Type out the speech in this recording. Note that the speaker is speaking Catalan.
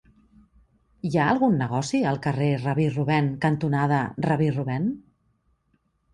Hi ha algun negoci al carrer Rabí Rubèn cantonada Rabí Rubèn?